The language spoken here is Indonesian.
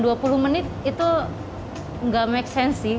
dua puluh menit itu nggak make sense sih